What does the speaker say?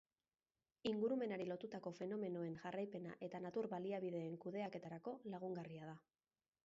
Ingurumenari lotutako fenomenoen jarraipena eta natur baliabideen kudeaketarako lagungarria da.